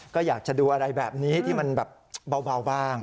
ก็อยากจะดูอะไรแบบนี้ที่มันแบบเบาบ้าง